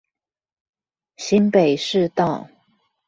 新北市道